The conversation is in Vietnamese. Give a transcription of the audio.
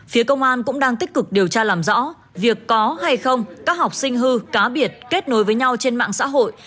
phía công an cũng đang tích cực điều tra làm rõ việc có hay không các học sinh hư cá biệt kết nối với nhau trên mạng xã hội